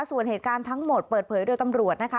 ส่วนเหตุการณ์ทั้งหมดเปิดเผยโดยตำรวจนะคะ